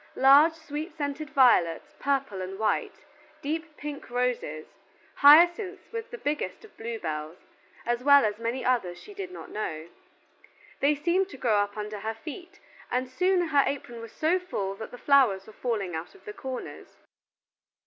Large sweet scented violets, purple and white; deep pink roses; hyacinths with the biggest of blue bells; as well as many others she did not know. They seemed to grow up under her feet, and soon her apron was so full that the flowers were falling out of the corners.